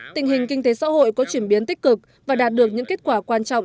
tình hình kinh tế xã hội có chuyển biến tích cực và đạt được những kết quả quan trọng